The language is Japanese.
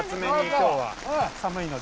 今日は寒いので。